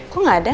kok gak ada